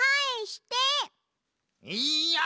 いや！